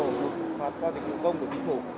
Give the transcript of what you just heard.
nộp tiền phạt qua dịch vụ công của chính phủ